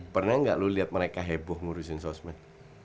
pernah enggak lo lihat mereka heboh ngurusin sosmed